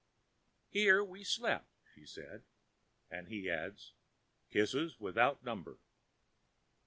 "Here we slept," she says. And he adds, "Kisses without number."